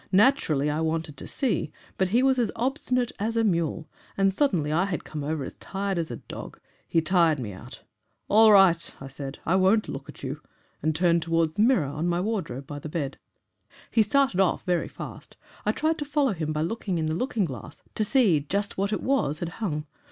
Naturally I wanted to see; but he was as obstinate as a mule, and suddenly I had come over as tired as a dog he tired me out. 'All right,' I said, 'I won't look at you,' and turned towards the mirror, on the wardrobe, by the bed. "He started off very fast. I tried to follow him by looking in the looking glass, to see just what it was had hung.